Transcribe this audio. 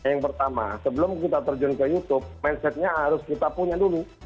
yang pertama sebelum kita terjun ke youtube mindsetnya harus kita punya dulu